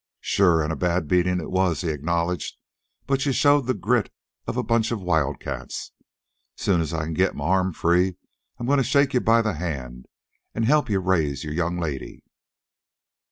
"Sure, an' a bad beatin' it was," he acknowledged, "but yeh showed the grit of a bunch of wildcats. Soon as I can get me arm free I'm goin' to shake yeh by the hand an' help yeh aise yer young lady."